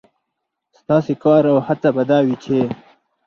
ستاسې کار او هڅه به دا وي، چې